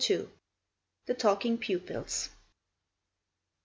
II. THE TALKING PUPILS.